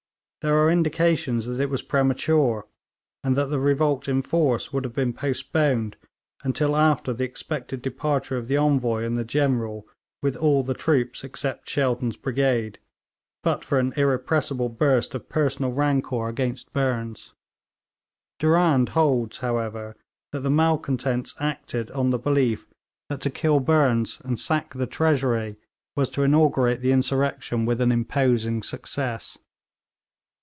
There are indications that it was premature, and that the revolt in force would have been postponed until after the expected departure of the Envoy and the General with all the troops except Shelton's brigade, but for an irrepressible burst of personal rancour against Burnes. Durand holds, however, that the malcontents acted on the belief that to kill Burnes and sack the Treasury was to inaugurate the insurrection with an imposing success.